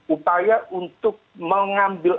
upaya untuk mengambil